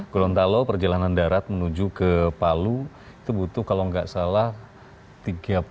gorontalo perjalanan darat menuju ke palu itu butuh kalau nggak salah tiga puluh